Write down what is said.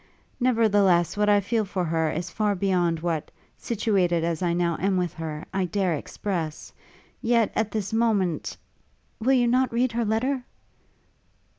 Nevertheless, what I feel for her is far beyond what, situated as I now am with her, I dare express Yet, at this moment ' 'Will you not read her letter?'